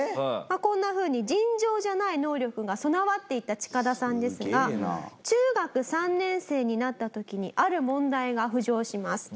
こんな風に尋常じゃない能力が備わっていたチカダさんですが中学３年生になった時にある問題が浮上します。